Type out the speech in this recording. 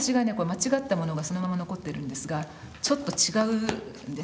間違ったものがそのまま残ってるんですがちょっと違うんですね。